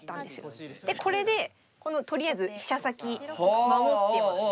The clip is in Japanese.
でこれでこのとりあえず飛車先守ってます。